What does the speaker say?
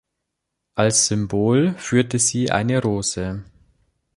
Als Symbol führte sie eine Rose.